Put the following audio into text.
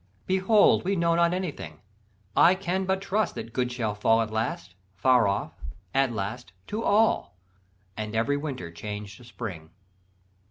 "Behold, we know not anything; I can but trust that good shall fall At last far off at last, to all, And every winter change to spring.